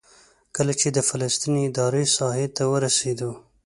کله چې د فلسطیني ادارې ساحې ته ورسېدو.